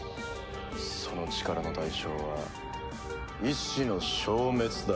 その力の代償は意志の消滅だ。